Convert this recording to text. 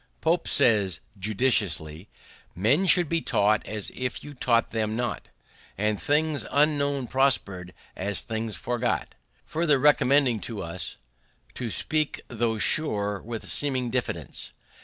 Pope says, judiciously: "Men should be taught as if you taught them not, And things unknown propos'd as things forgot;" farther recommending to us "To speak, tho' sure, with seeming diffidence."